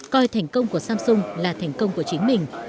coi thành công của samsung là thành công của chính mình